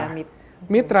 tapi oleh mitra